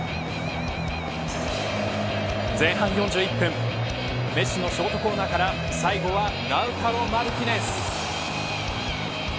前半４１分メッシのショートコーナーから最後はラウタロ・マルティネス。